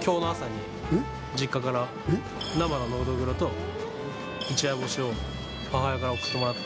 きょうの朝に、実家から生のノドグロと、一夜干しを母親から送ってもらって。